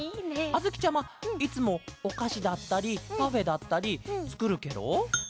あづきちゃまいつもおかしだったりパフェだったりつくるケロ？